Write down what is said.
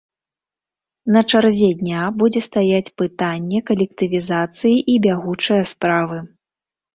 На чарзе дня будзе стаяць пытанне калектывізацыі і бягучыя справы.